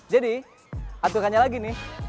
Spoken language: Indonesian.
jadi aturannya lagi nih